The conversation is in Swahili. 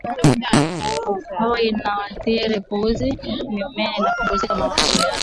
hewa unaoathiri ukuzi wa mimea Inapunguza mazao ya